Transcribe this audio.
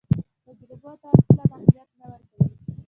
تجربو ته اصلاً اهمیت نه ورکوي.